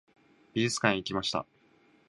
美術館へ行きました。